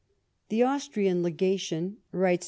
*' The Austrian legation," writes M.